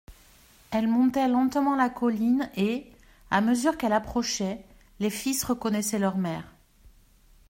Elle montait lentement la colline et, à mesure qu'elle approchait, les fils reconnaissaient leur mère.